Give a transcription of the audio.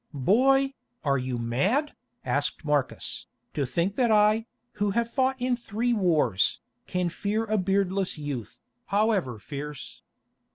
"Boy, are you mad," asked Marcus, "to think that I, who have fought in three wars, can fear a beardless youth, however fierce?